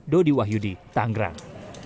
dodi wahyudi tanggrang